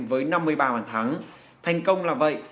với năm mươi ba bàn thắng thành công là vậy